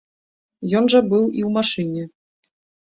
Ён жа быў і ў машыне.